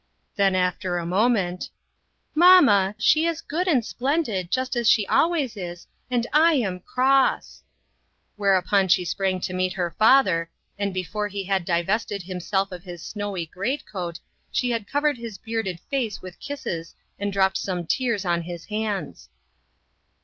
Then after a moment :" Mamma, she is good and splendid, just as she always is, and I am cross." Whereupon she sprang to meet her father, and before he had divested himself of his snowy great coat, she had covered his bearded face with kisses and dropped some tears on his hands.